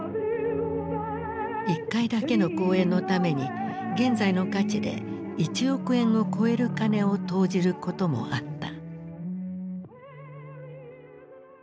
１回だけの公演のために現在の価値で１億円を超える金を投じることもあった。